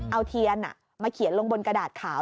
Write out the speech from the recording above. เอาเทียนมาเขียนลงบนกระดาษขาว